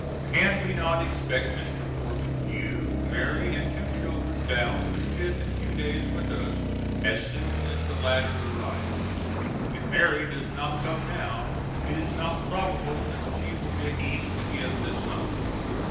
Can we not expect Mr. Corbin, you, Mary and two children down to spend a few days with us as soon as the latter arrives? If Mary does not come now, it is not probable that she will get East again this summer.